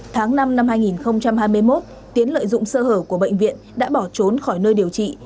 tháng năm năm hai nghìn hai mươi một tiến lợi dụng sơ hở của bệnh viện đã bỏ trốn khỏi nơi điều trị